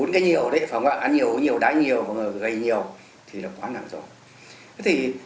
bốn cái nhiều ăn nhiều đáy nhiều gầy nhiều thì là quá nặng rồi